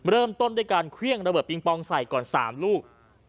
เริ่มต้นด้วยการเครื่องระเบิดปิงปองใส่ก่อน๓ลูก